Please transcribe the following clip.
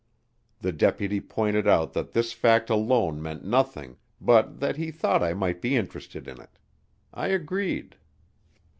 The deputy pointed out that this fact alone meant nothing but that he thought I might be interested in it. I agreed.